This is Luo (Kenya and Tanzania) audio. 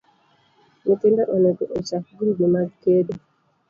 Nyithindo onego ochak grube mag kedo